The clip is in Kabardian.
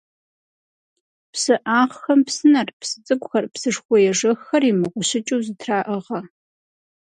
ПсыӀагъхэм псынэр, псы цӀыкӀухэр, псышхуэ ежэххэр имыгъущыкӀыу зэтраӀыгъэ.